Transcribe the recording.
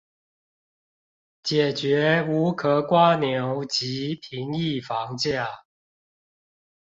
解決無殼蝸牛及平抑房價